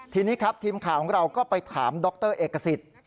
ทีนี้ครับทีมข่าวของเราก็ไปถามดรเอกสิทธิ์